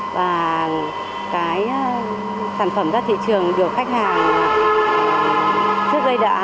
và cái sản phẩm ra thị trường được khách hàng trước đây đã